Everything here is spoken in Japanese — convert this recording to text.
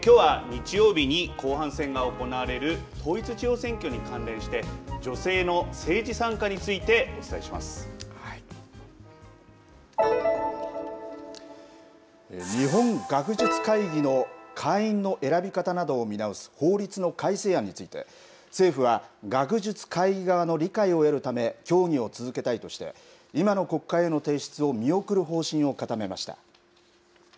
きょうは日曜日に後半戦が行われる統一地方選挙に関連して女性の政治参加について日本学術会議の会員の選び方などを見直す法律の改正案について政府は学術会議側の理解を得るため協議を続けたいとして今の国会への提出を見送る方針を固めました。